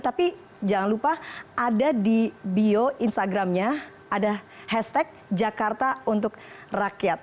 tapi jangan lupa ada di bio instagramnya ada hashtag jakarta untuk rakyat